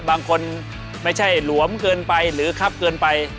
บางคนไม่ใช่หลวมเกินไปหรือครับเกินไป